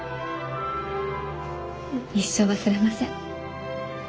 一生忘れません。